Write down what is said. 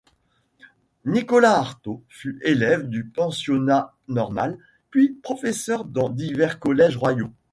Nicolas Artaud fut élève du Pensionnat normal, puis professeur dans divers collèges royaux.